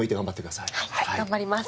はい頑張ります。